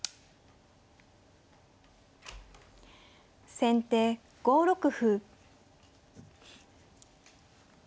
先手５六歩。